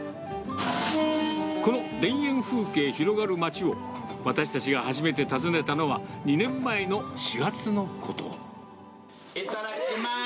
この田園風景広がる町を、私たちが初めて訪ねたのは、２年前の４いただきます。